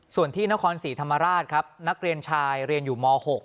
ส่วนที่นครศรีธรรมราชครับนักเรียนชายเรียนอยู่ม๖